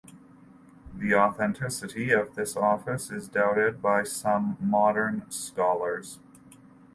The authenticity of this office is doubted by some modern scholars.